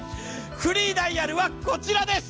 フリーダイヤルはこちらです。